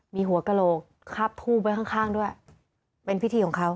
มีหัวกระโหลกคาบทูบไว้ข้างข้างด้วยเป็นพิธีของเขา